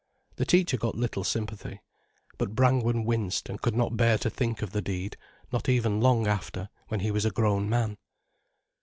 The teacher got little sympathy. But Brangwen winced and could not bear to think of the deed, not even long after, when he was a grown man.